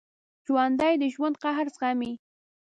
ژوندي د ژوند قهر زغمي